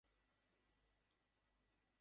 সোনার শিকলও শিকল, লোহার শিকলও শিকল।